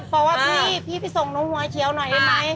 เพราะว่าพี่ไปส่งน้องหัวเขียวหน่อยได้ไหม